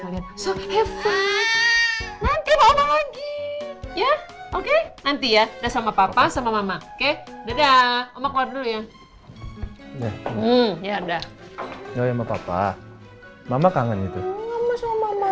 ya oke nanti ya sama papa sama mama oke dadah